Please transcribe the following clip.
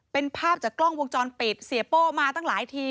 เป็นภาพจากกล้องวงจรปิดเสียโป้มาตั้งหลายที